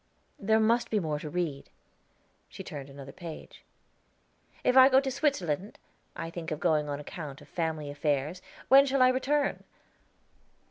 "There must be more to read." She turned another page. "If I go to Switzerland (I think of going on account of family affairs), when shall I return?